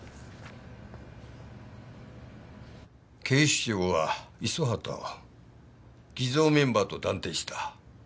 警視庁は五十畑を偽造メンバーと断定した。